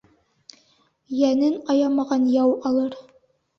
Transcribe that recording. Йәнен аямаған яу алыр